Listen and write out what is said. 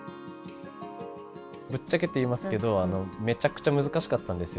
ぶっちゃけて言いますけどめちゃくちゃ難しかったんですよ。